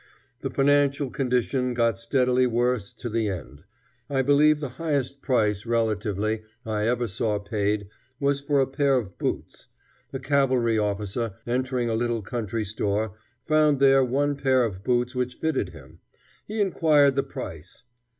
The financial condition got steadily worse to the end. I believe the highest price, relatively, I ever saw paid, was for a pair of boots. A cavalry officer, entering a little country store, found there one pair of boots which fitted him. He inquired the price.